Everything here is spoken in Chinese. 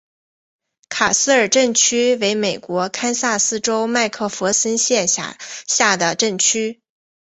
卡斯尔镇区为美国堪萨斯州麦克弗森县辖下的镇区。